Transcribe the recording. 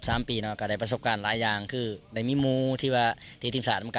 สามปีเนอะกาดายประสบการณ์หลายอย่างคือไหนมีมูที่เว้าที่ที่สามารถ